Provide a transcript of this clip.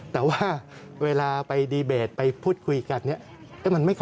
แต่ว่าเวลาไปดีเบตพูดคุยกัน